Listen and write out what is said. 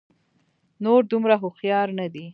نور دومره هوښيار نه دي